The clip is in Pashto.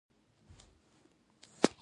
نن غواړو د وراثت یا ژنیتیک په اړه پوه شو